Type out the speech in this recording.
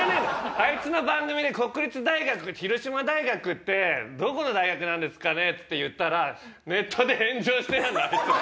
あいつの番組で国立大学「広島大学ってどこの大学なんですかね？」って言ったらネットで炎上してやんのあいつ。